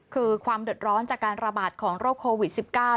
คือความเดือดร้อนจากการระบาดของโรคโควิด๑๙